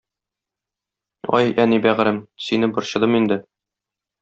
Ай, әни бәгърем, сине борчыдым инде.